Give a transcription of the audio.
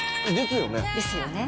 ですよね？